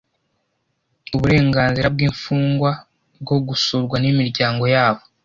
Uburenganzira bw imfungwa bwo gusurwa n imiryango yabo